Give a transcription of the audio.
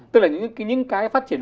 tức là những cái phát triển